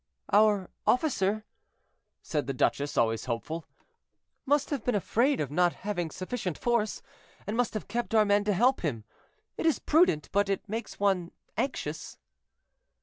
"Our officer," said the duchess, always hopeful, "must have been afraid of not having sufficient force, and must have kept our men to help him; it is prudent, but it makes one anxious."